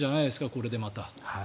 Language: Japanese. これでまた。